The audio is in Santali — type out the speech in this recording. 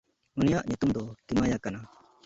ᱩᱱᱤᱭᱟᱜ ᱧᱩᱛᱩᱢ ᱫᱚ ᱠᱤᱢᱟᱭᱟ ᱠᱟᱱᱟ᱾